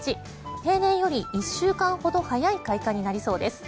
平年より１週間ほど早い開花になりそうです。